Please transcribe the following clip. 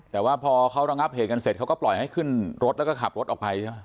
แต่ว่าพอเขาระงับเหตุกันเสร็จเขาก็ปล่อยให้ขึ้นรถแล้วก็ขับรถออกไปใช่ไหม